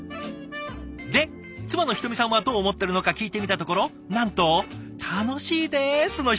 で妻のひとみさんはどう思ってるのか聞いてみたところなんと「楽しいです」のひと言。